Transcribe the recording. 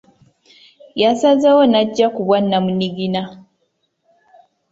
Yasazeewo n’ajja ku bwannamungina.